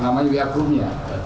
namanya agrup ya